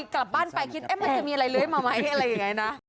กลับบ้านไปคิดมันจะมีอะไรเลื้อยมาไหมอะไรอย่างนี้นะ